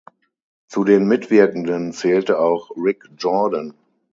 Zu den Mitwirkenden zählte auch Rick Jordan.